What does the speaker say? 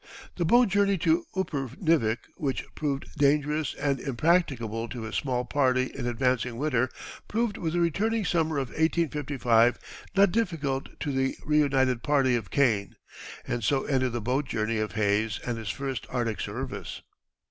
The boat journey to Upernivik, which proved dangerous and impracticable to his small party in advancing winter, proved, with the returning summer of 1855, not difficult to the reunited party of Kane, and so ended the boat journey of Hayes and his first Arctic service.